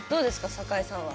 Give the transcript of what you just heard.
坂井さんは。